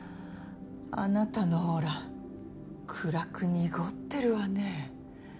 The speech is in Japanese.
あなたのオーラ暗く濁ってるわね。